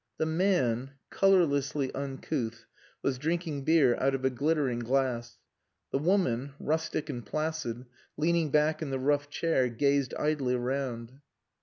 The man, colourlessly uncouth, was drinking beer out of a glittering glass; the woman, rustic and placid, leaning back in the rough chair, gazed idly around.